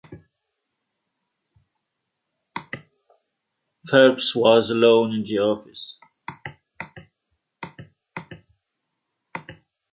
Phelps was alone in the office.